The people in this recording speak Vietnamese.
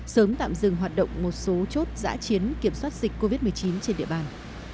sớm tạm dừng hoạt động một số chốt giã chiến kiểm soát dịch covid một mươi chín trên địa bàn